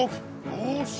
よし。